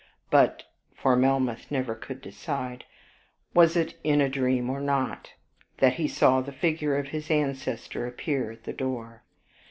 But (for Melmoth never could decide) was it in a dream or not, that he saw the figure of his ancestor appear at the door?